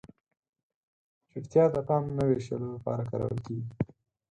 چپتیا د پام نه وېشلو لپاره کارول کیږي.